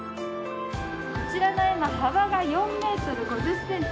こちらの絵馬幅が４ｍ５０ｃｍ